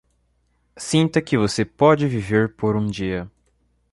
Sinta que você pode viver por um dia